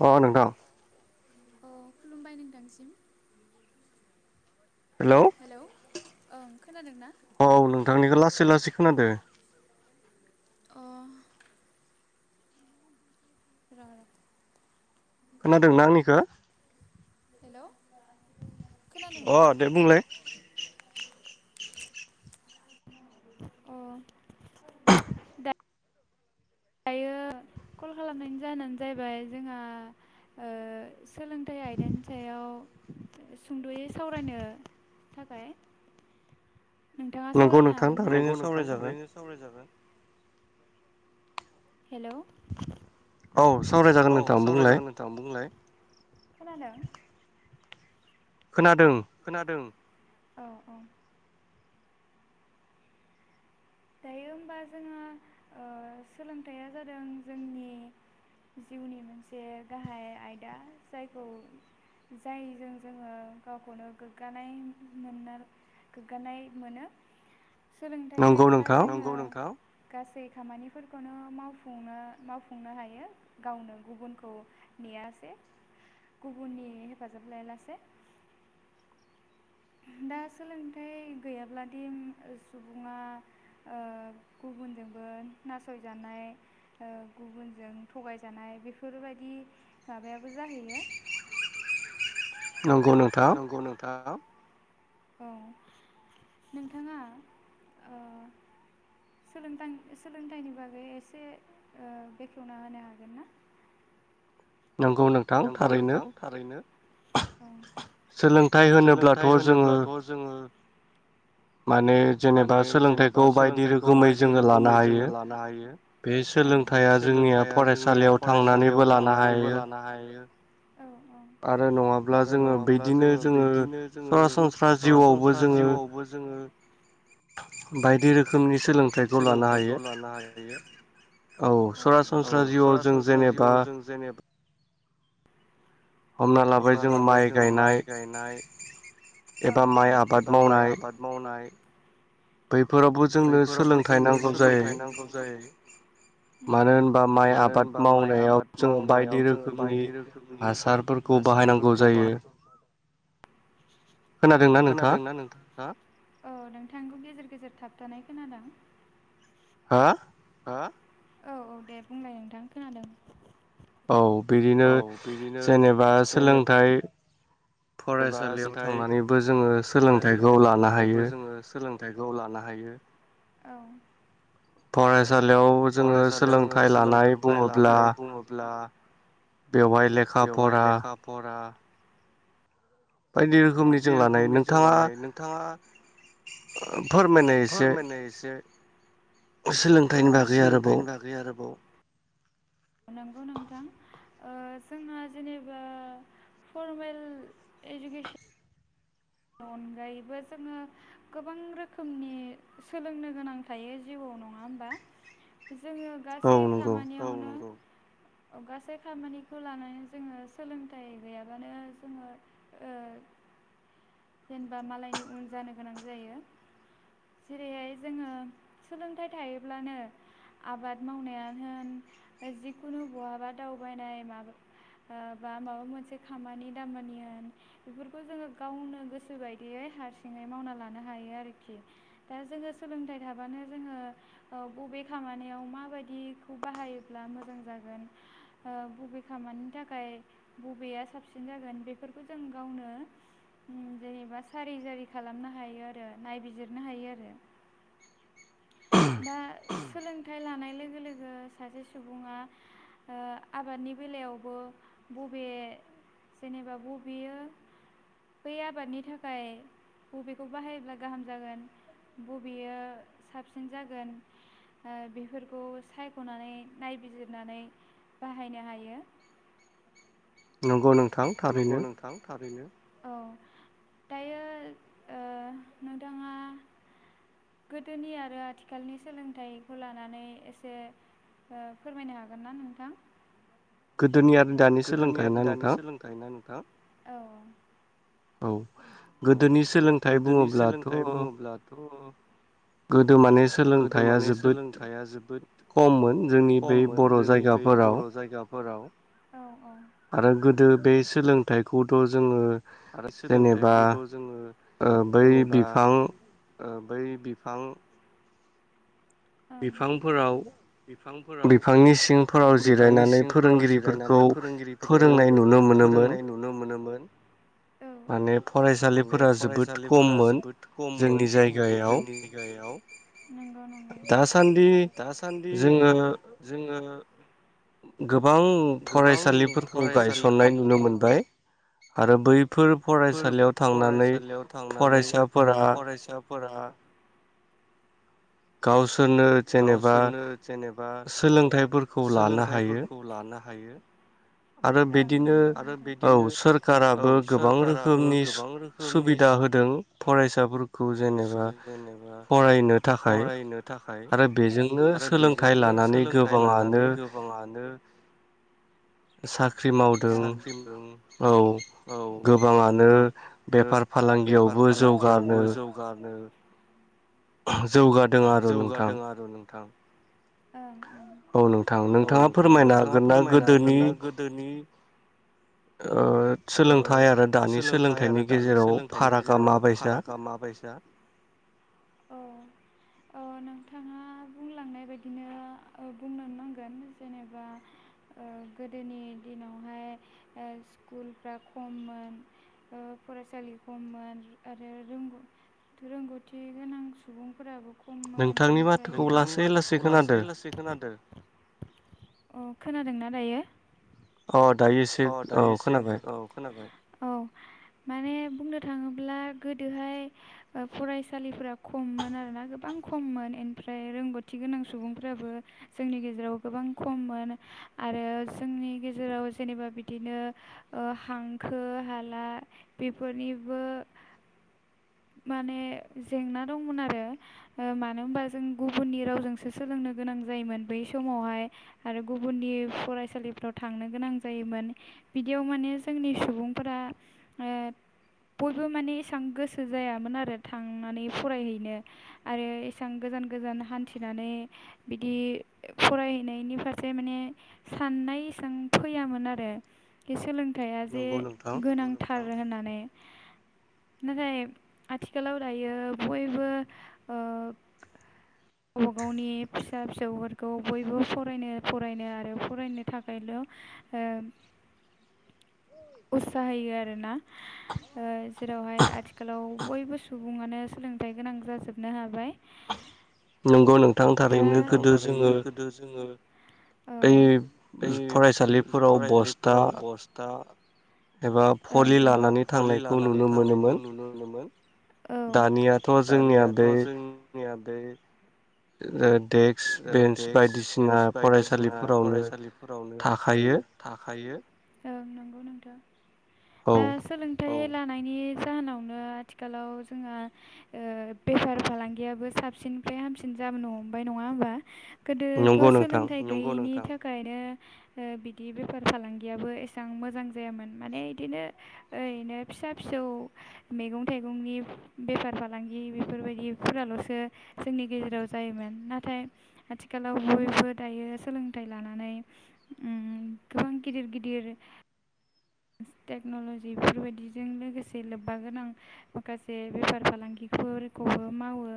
अ नोंथां अ खुलुमबाय नोंथांसिम हेल' ओं खोनादों ना? औ नोंथांनिखौ लासै लासै खोनादो। अ [unintelligible] खोनादोंना आंनिखौ? अ दे बुंलाय अ कल खालामनायनि जाहोनानो जाहैबाय जोंहा। ओ सोलोंथाइ आयदानि सायाव सुंद'यै सावरायनो नोंथाङा सावरायनो हागोन ना? नंगौ नोंथां थारैनो सावरायनो हागोन। हेल' औ सावराय जागोन नोंथां बुंलाय खोनादों? खोनादों औ औ- दायो हबा जोङो सोलोंथाइया जादों जोंनि जिउनि मोनसे गाहाय आयदा जायखौ जायजों जोङो गावखौनो गोग्गानाय मोननो गोग्गानाय मोनो सोलोंथाइ थायोब्ला गासै खामानिफोरखौनो मावफुंनो हायो गावनो गुबु ज नेयासेै गुबुननि हेफाजाब लायालासे [unintelligible] दा सोलोंथाइ गैयाब्लादि सुबुङा ओ‌- गुबुनजोंबो नासयजानाय गुबुनजों थगायजानाय बेफोरबायदि माबायाबो जाहैयो नंगौ नोंथां औ नोंथाङा सोलों सोलोंथाइनि बागै एसे बेखेवना होनो हागोन ना? [unintelligible] नंगौ नोंथां थारैनो सोलोंथाइ होनोब्लाथ' जोङो- माने जेनेबा सोलोंथाइखौ बायदि रोखोमै जोङो लानो हायो। बे सोलोंथायाइया जोंनिया फरायसालियाव थांनानैबो लानो हायो। औ औ आरो नङाब्ला जोङो बिदिनो जोङो सरासनस्रा जिउआवबो जोङो [unintelligible] बायदि रोखोमनि सोलोंथाइखौ लानो हायो। औ सरासनस्रा जिउआव जों जेनेबा- हमना लाबाय जोंङो माइ गायनाय- औ औ एबा माइ आबाद मावनाय- बैफोरावबो जोंनो सोलोंथाइ नांगौ जायो। मानो होनबा माइ आबाद मावनायाव जोङो बायदि रोखोमनि हासारफोरखौ- खौ बाहायनांगौ जायो। औ खोनादोंना नोंथांआ औ नोंथांखौ गेजेर गेजेर थाबथानाय खोनादों। हा! हा औ औ दे बुंलाय नोंथां खोनादों। औ बिदिनो जेनेबा सोलोंथाइ एबा सोलोंथाइ फरायसालियाव थांनानैबो जोङो सोलोंथाइखौ लानो हायो। हायो औ फरायसालियाव जोङो सोलोंथाइ लानाय बुङोब्ला- बेहाइ लेखा-फरा बायदि रोखोमनि जों लानाय नोंथाङा फोरमायनाय एसे? सोलोंथाइनि बागै आरोबाव नंगौ नोंथां ओ जोंहा जेनेबा फर्मेल एडुकेसन नि अनगायैबो जोङो गोबां रोखोमनि सोलोंनो गोनां थायो जिउआव- नङा होमबा जोङो गासै खामानियावनो औ नंगौ अ गासै खामानिखौ लानानै जोङो सोलोंथाइ गैयाबानो जोङो ओ जेनेबा मालायनि उन जानो गोनां जायो। जेरैहाय जोङो सोलोंथाइ थायोब्लानो आबाद मावनायानो होन जिखुनु बहाबा दावबायनाय माबा बा माबा मोनसे खामानि दामानि होन बेफोरखौ जोङो गावनो गो सो बायदियै हारसिङै मावना लानो हायो आरोखि दा जोङो सोलोंथाइ थाबानो जोङो औ बबे खामानियाव माबायदिखौ बाहायोब्ला मोजां जागोन ओ बबे खामानि थाखाय बबेया साबसिन जागोन बेफोरखौ जों गावनो जेनेबा सारि जारि खालामनो हायो आरो नायबिजिरनो हायो आरो। दा सोलोंथाइ लानाय लोगो-लोगो सासे सुबुङा ओ आबादनि बेलायावबो बबे जेनेबा बबेयो बै आबादनि थाखाय बबेखौ बाहायोब्ला गाहाम जागोन बबेयो साबसिन जागोन। ओ बेफोरखौ सायख'नानै नायबिजिरनानै बाहायनो हायो। [inaudible] नंगौ नों नंगौ नोंथां थारैनो। [inaudible] नोंथाङा गोदोनि आरो आथिखालनि सोलोंथाइखौ लानानै एसे ओ फोरमायनो हागोन ना नोंथां? गोदोनि आरो दानि सोलोंथाइ ना नोंथां औ-औ औ औ गोदोनि सोलोंथाइ बुङोब्लाथ' गोदो माने सोलोंथाइया जोबोद खममोन जोंनि बै बर' जायगाफोराव औ-औ आरो गोदो बे सोलोंथाइखौथ' जोङो आरो सोलोंथाइखौथ' जोङो जेनेबा ओ बै बिफां बिफांफोराव बिफांनि सिंफोराव जिरायनानै फोरोंगिरिफोरखौ फोरोंनाय नुनो मो फोरोंनाय नुनो मोनोमोन। माने फरायसालिफोरा जोबोद खममोन जोंनि जायगायाव। दासान्दि जोङो जोङो गोबां फरायसालिफोरखौ गायसननाय नुनो मोनबाय आरो बै फोर फरायसालियाव थांनानै फरायसाफोरा गावसोरनो जेनेबा सोलोंथाइफोरखौ लानो हायो। हायो। आरो बिदिनो औ सोरखाराबो गोबां रोखोमनि सु-सुबि दा होदों फरायसाफोर खौ जेनेबा फरायनो थाखाय आरो बेजोंनो सोलोंथाइ लानो सोलोंथाइ लानानै गोबाङानो ख्रि मावदों औ। औ गोबां ओ बेफार फालांगियावबो जौगानो जौगादों आरो नोंथां। ओं औ नोंथां नोंथाङा फोरमायनो हागोन ना गोदोनि ओ। सोलोंथाइ आरो दानि सोलोंथाइनि गेजेराव फारागा माबायसा? औ। अ नोंथाङा बुंलांनाय बायदिनो बुंनो नांगोन जेनेबा ओ गोदोनि दिनावहाय ओ सि स्कुलफ्रा खममोन ओ फरायसालि खममोन आरो रोंगौ रोंगौथि गोनां सुबुंफोराबो नोंथांनि माथोखौ लासै लासै खोनादो। अ खोनादोंना दायो? अ दायो एसे औ खोनाबाय। औ माने बुंनो थाङोब्ला गोदोहाय ओ फरायसालिफोरा खम खममोन आरोना गोबां खममोन ओमफ्राय रोंगौथि गोनां सुबुंफ्राबो जोंनि गेजेराव गोबां खम खममोन आरो जोंनि गेजेराव जेनेबा बिदिनो ओ हांखो हाला बेफोरनिबो माने जेंना दंमोन आरो ओ मानो होनबा जों गुबुननि रावजोंसो सोलोंनो गोनां जायोमोन बै समावहाय आरो गुबुननि फरायसालिफ्राव थांनो गोनां ज जायोमोन बिदियाव माने जोंनि सुबुंफोरा ओ बयबो माने एसां गोसो जायामोन आरो थांनानै फरायहैनो आरो एसां गो गोजान गोजान हानथिनानै बिदि फ्राय हैनायनि फारसे माने साननाय इसेबां फैयामोन आरो सोलोंथाइया जे गोनांथार होननानै नाथाय आथिखालाव दायो बयबो ओ गावबा गावनि फिसा फिसौफोरखौ बयबो फरायनो फरायनो आरो फरायनो थाखायल' ओ उत्साहहैयो आरोना। ओ जेरावहाय आथिखालाव बयबो सुबुङानो सोलोंथायाइ गोनां जाजोबनो हाबाय। नंगौ नोंथां थारैनो गोदो जोङो ऐ फराय। फरायलिफोराव बस्था एबा फलि लानानै थांनायखौ नुनो मोनोमोन। औ दानियाथ' जोंनिया बे। ओ देक्स बेन्स बायदिसिना फरायसालिफोरावनो थाखायो। थाखायो औ नंगौ नोंथां दा सोलोंथ। लानायनि जाहोनावनो आथिखालाव जोंहा बेफार फालांगियाबबो साबसिन। फ्राय हामसिन जाबोनो हमबाय नङा हबा गोदोथ' सोलोंथाइ गयनि थाखाय। थाखायनो बिदि बेफार फालांगियाबो एसेबां मोजां जायामोन माने बिदिनो। ओरैनो फिसा फिसौ मैं थाइगंनि बेफार फालांगि बेफोरबायदि फाल'। जोंनि गेजेराव जायोमोन। नाथाय आथिखालाव बयबो दायो सोलोंथाइ लानानै गोबां। गिदिर गिदिर। टेक्न'ल'जि बेफोरबायदिजों लोगोसे लोब्बा गोनां माखासे बेफार फालांगिफोरखौ। बयबो मावो।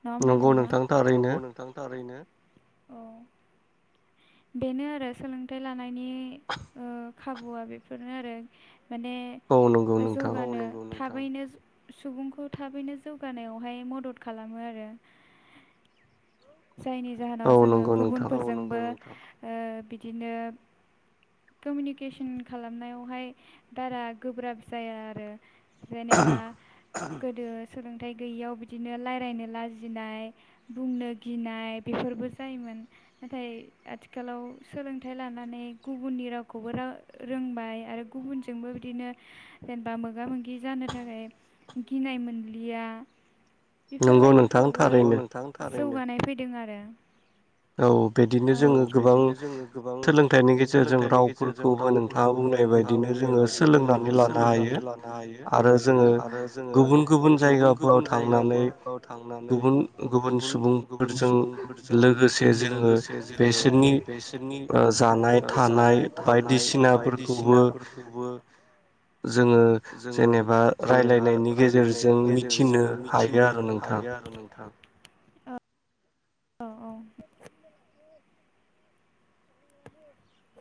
नङा होमबा नोंथां? नंगौ नोंथां थारैनो औ। बेनो आरो सोलोंथाइ लानाय [inaudible] खाबुआ बेफोरनो आरो माने जौगानो थाब थाबैनो सुबुंखौ थाबैनो जौगानायावहाय मदद खालामो आरो। जायनि जाहोनाव जोङो गुबुनफोरजोंबो ओ बिदिनो कमिउनिकेसन खालामनायावहाय बारा गोब्राब जाया आरो। जनेबा गोदो सोलोंथाइ गैयियाव बिदिनो रायलायनो लाजिनाय बुंनो गिनाय बेफोरबो जायोमोन। नाथाय आथिखालाव सोलोंथाइ लानानै गुबुननि रावखौबो रोंबाय आरो गुबुनजोंबो बिदिनो जेनेबा मोगा मोगि जानो थाखाय गिनाय मोनलिया। बेफोरबायदिफ्रावबो नंगौ नोंथां जौगानाय फैदों आरो। औ। बिदिनो जोङो गोबां सोलोंथाइनि गेजेरजों रावफोरखौबो नोंथाङा बुंनाय बायदिनो जोङो सोलोंनानै लानो हायो, आरो जोङो गुबुन गुबुन जायगाफोराव था जायगाफोराव थांनानै गुबुन गुबुन सुबुंफोरजों जोङो जोङो बेसोरनि ओ जानाय थानाय बायदिसिनाफोरखौ बो जोङो जेनेबा रायलायनायनि गेजेरजों मिथिनो हायो आरो नोंथां। हायो आरो नोंथां।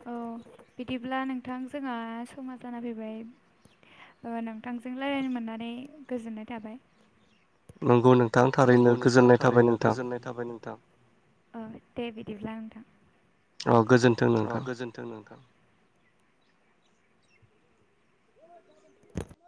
औ बिदिब्ला नोंथां जोंहा समा जाना फैबाय ओ नोंथांजों लायरियनो मोननानै गोजोननाय थाबाय। नंगौ नों नंगौ नोंथां थारैनो गोजोननाय थाबाय नोंथां। ओ दे बिदिब्ला नोंथां। औ गोजोन्थों नोंथां।